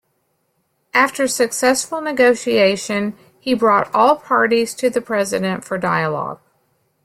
After successful negotiation, he brought all parties to the President for dialogue.